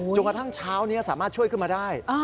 กระทั่งเช้านี้สามารถช่วยขึ้นมาได้